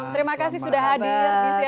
terima kasih sudah hadir di cnn indonesia